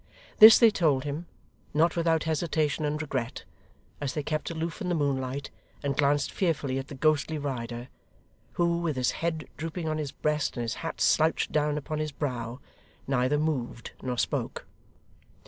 This they told him, not without hesitation and regret, as they kept aloof in the moonlight and glanced fearfully at the ghostly rider, who, with his head drooping on his breast and his hat slouched down upon his brow, neither moved nor spoke.